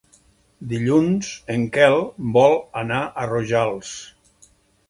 Dilluns en Quel vol anar a Rojals.